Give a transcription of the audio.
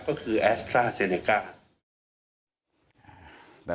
ก็คือแอสตราเซเนก้า